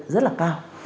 rất là cao